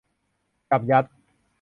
จับยัด